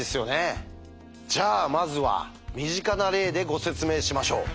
じゃあまずは身近な例でご説明しましょう。